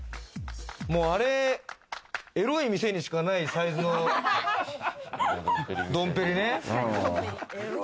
エロい店にしかないサイズのドンペリね。